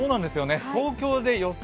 東京で予想